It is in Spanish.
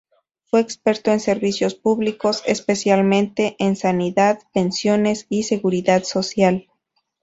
Fue experto en servicios públicos: especialmente en sanidad, pensiones y seguridad social.